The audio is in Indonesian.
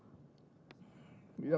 maksudnya dulu sejarah